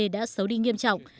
đã xấu đi nghiêm trọng